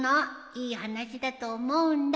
いい話だと思うんだねっ。